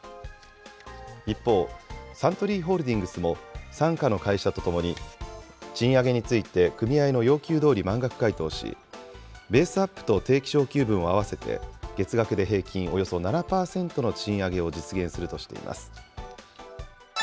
一方、サントリーホールディングスも、傘下の会社とともに、賃上げについて組合の要求どおり満額回答し、ベースアップと定期昇給分を合わせて月額で平均およそ７％の賃上げを実現するとしています。